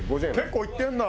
結構いってるな！